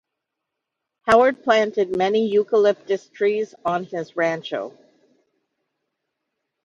Howard planted many eucalyptus trees on his rancho.